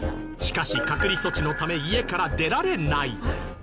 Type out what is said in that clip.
しかし隔離措置のため家から出られない。